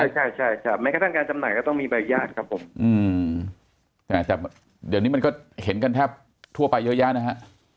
ใช่ใช่ครับแม้กระทั่งการจำหน่ายก็ต้องมีใบอนุญาตครับผมแต่เดี๋ยวนี้มันก็เห็นกันแทบทั่วไปเยอะแยะนะฮะ